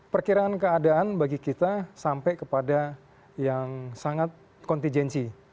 perkiraan keadaan bagi kita sampai kepada yang sangat kontingensi